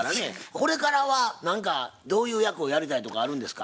これからは何かどういう役をやりたいとかあるんですか？